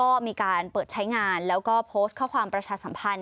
ก็มีการเปิดใช้งานแล้วก็โพสต์ข้อความประชาสัมพันธ